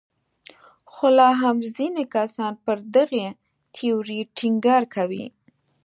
خو لا هم ځینې کسان پر دغې تیورۍ ټینګار کوي.